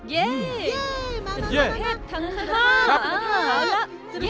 เย้จตุลเทพทั้งห้า